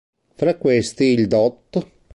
Fra questi il dott.